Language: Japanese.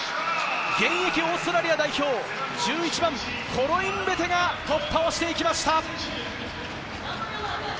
現役オーストラリア代表、１１番・コロインベテが突破していきました！